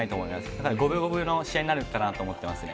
だから五分五分の試合になるのかなと思ってますね。